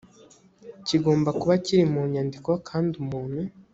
kigomba kuba kiri mu nyandiko kandi umuntu